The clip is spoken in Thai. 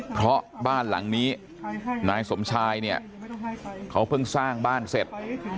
เพราะบ้านหลังนี้นายสมชายเนี่ยเขาเพิ่งสร้างบ้านเสร็จ